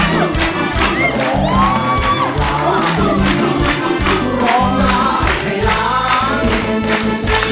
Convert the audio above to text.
ได้ครับ